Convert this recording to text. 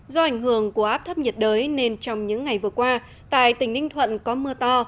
do ảnh hưởng của áp thấp nhiệt đới nên trong những ngày vừa qua tại tỉnh ninh thuận có mưa to